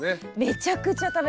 めちゃくちゃ食べます。